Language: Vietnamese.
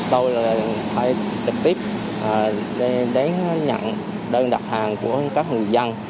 tôi phải trực tiếp đến nhận đơn đặt hàng của các người dân